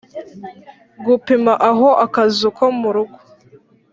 gupima aho akazu ko mu rugo